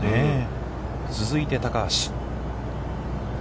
続いて、高橋。